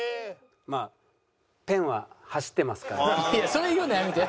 それ言うのやめて。